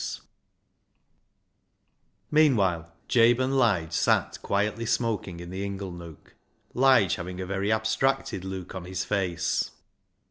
I70 BECKSIDE LIGHTS Meanwhile Jabe and Lige sat quietly smoking in the inglenook, Lige having a very abstracted look on his face.